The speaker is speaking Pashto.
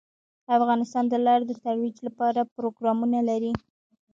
افغانستان د لعل د ترویج لپاره پروګرامونه لري.